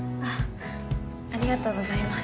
ありがとうございます。